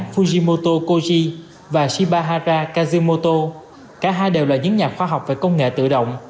puji motokuzi và shibahara kazumoto cả hai đều là những nhà khoa học về công nghệ tự động